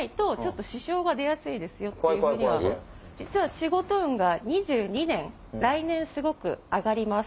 仕事運が２２年来年すごく上がります。